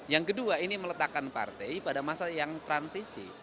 yang kedua ini meletakkan partai pada masa yang transisi